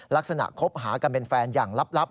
ลักษณะคบหากันเป็นแฟนอย่างลับ